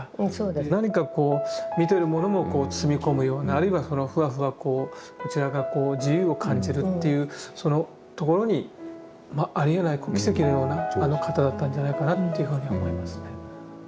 何かこう見てるものもこう包み込むようなあるいはふわふわこうこちらがこう自由を感じるというそのところにありえない奇跡のような方だったんじゃないかなっていうふうに思いますね。